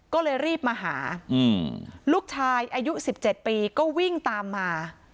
ก็เลยรีบมาหาอืมลูกชายอายุสิบเจ็ดปีก็วิ่งตามมา